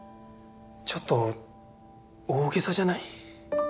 ちょっと大げさじゃない？